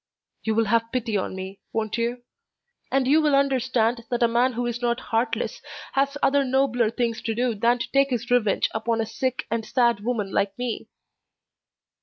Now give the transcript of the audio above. You will have pity on me, won't you? And you will understand that a man who is not heartless has other nobler things to do than to take his revenge upon a sick and sad woman like me.